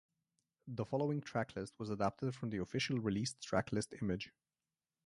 The following tracklist was adapted from the official released track list image.